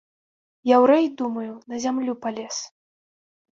Яўрэй, думаю, на зямлю палез!